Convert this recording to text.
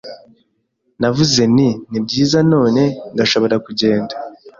Navuze nti: “Nibyiza, none ndashobora kugenda?”